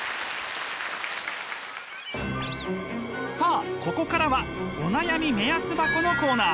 さあここからはお悩み目安箱のコーナー。